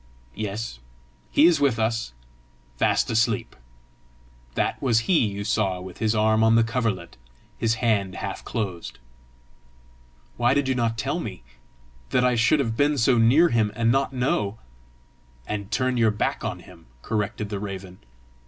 "Yes; he is with us, fast asleep. That was he you saw with his arm on the coverlet, his hand half closed." "Why did you not tell me? That I should have been so near him, and not know!" "And turn your back on him!" corrected the raven.